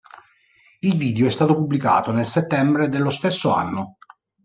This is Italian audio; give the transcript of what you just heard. Il video è stato pubblicato nel settembre dello stesso anno.